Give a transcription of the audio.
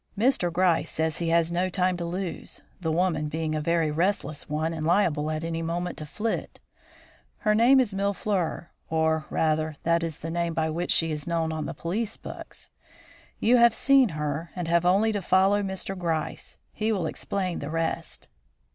Mr. Gryce says he has no time to lose, the woman being a very restless one and liable at any moment to flit. Her name is Mille fleurs; or, rather, that is the name by which she is known on the police books. You have seen her, and have only to follow Mr. Gryce; he will explain the rest."